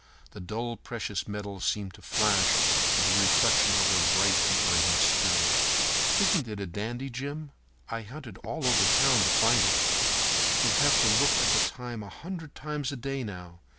The dull precious metal seemed to flash with a reflection of her bright and ardent spirit. "Isn't it a dandy, Jim? I hunted all over town to find it. You'll have to look at the time a hundred times a day now.